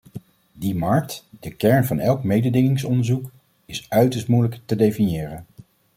Die markt, de kern van elk mededingingsonderzoek, is uiterst moeilijk te definiëren.